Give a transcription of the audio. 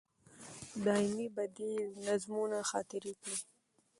دایمي به دي نظمونه خاطرې کړي